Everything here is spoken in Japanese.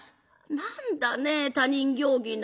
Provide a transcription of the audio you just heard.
「何だね他人行儀な。